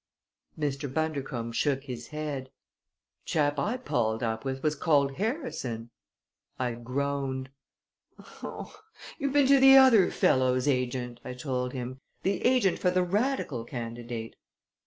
Mr. Bundercombe shook his head. "Chap I palled up with was called Harrison." I groaned. "You've been to the other fellow's agent," I told him; "the agent for the Radical candidate."